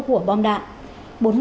của bom đạn